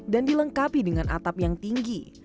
dilengkapi dengan atap yang tinggi